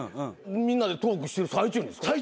みんなでトークしてる最中にですか？